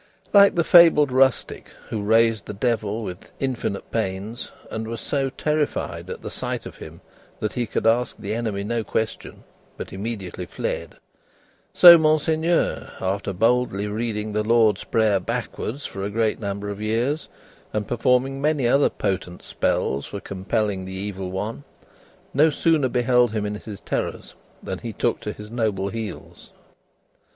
Like the fabled rustic who raised the Devil with infinite pains, and was so terrified at the sight of him that he could ask the Enemy no question, but immediately fled; so, Monseigneur, after boldly reading the Lord's Prayer backwards for a great number of years, and performing many other potent spells for compelling the Evil One, no sooner beheld him in his terrors than he took to his noble heels.